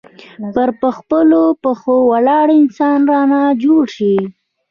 پر خپلو پښو ولاړ انسان رانه جوړ شي.